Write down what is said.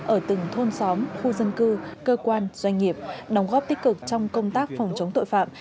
ở từng thôn xóm khu dân cư cơ quan doanh nghiệp đóng góp tích cực trong công tác phòng chống tội phạm